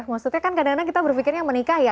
maksudnya kan kadang kadang kita berpikirnya